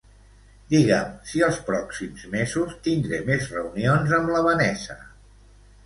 Diga'm si els pròxims mesos tindré més reunions amb la Vanessa.